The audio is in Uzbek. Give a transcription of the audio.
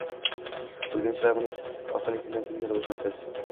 O’rganish va amaliyot orqali kundan-kunga rivojlanasiz.